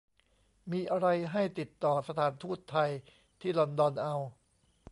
มีอะไรให้ติดต่อสถานทูตไทยที่ลอนดอนเอา